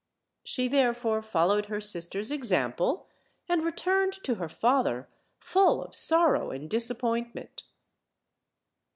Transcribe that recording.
She therefore fol lowed her sister's example, and returned to her father full of sorrow and disappointment.